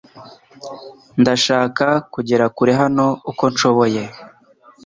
Ndashaka kugera kure hano uko nshoboye